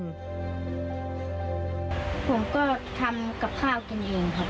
ผมก็ทำกับข้าวกินเองครับ